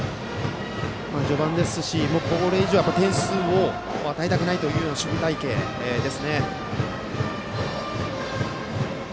序盤ですし、これ以上は点数を与えたくないという守備隊形ですね。